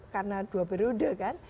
karena dua periode kan